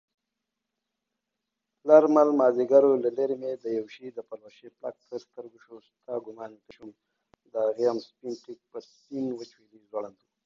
Kim currently resides in Calgary, Alberta, Canada.